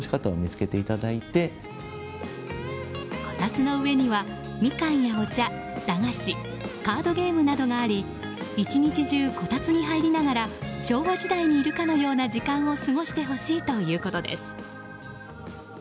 こたつの上にはミカンやお茶、駄菓子カードゲームなどがあり１日中こたつに入りながら昭和時代にいるかのような時間を過ごしてほしいということです。